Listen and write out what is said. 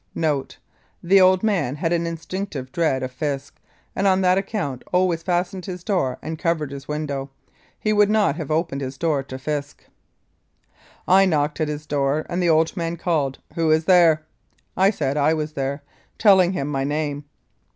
[Note. The old man had an instinctive dread of Fisk, and on that account always fastened his door and covered his window. He would not have opened his door to Fisk.] "I knocked at his door, and the olcl man called, 1 Who is there ?* I said I was there, telling him my name.